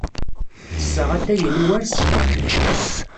Ttesseɣ atay-inu war sskeṛ.